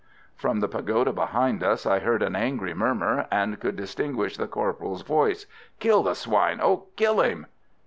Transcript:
From the pagoda behind us I heard an angry murmur, and could distinguish the corporal's voice: "Kill the swine! Oh, kill him!"